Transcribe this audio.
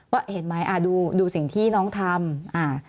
ว่าเห็นไหมดูสิ่งที่น้องทำ